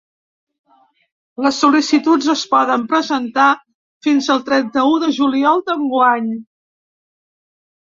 Les sol·licituds es poden presentar fins el trenta-u de juliol d’enguany.